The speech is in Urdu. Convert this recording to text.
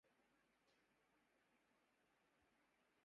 نہ تری حکایت سوز میں نہ مری حدیث گداز میں